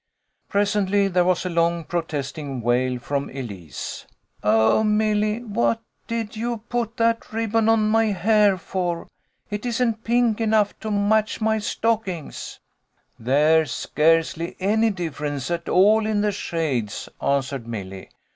Presently there was a long protesting wail from Elise. " Oh, Milly, what did you put that ribbon on 1 80 THE DAY AFTER THANKSGIVING. l8l my hair for? It isn't pink enough to match my stockings." "There's scarcely any difference at all in the shades," answered Milly.